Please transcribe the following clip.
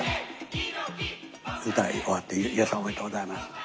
歌い終わって「裕也さんおめでとうございます」って。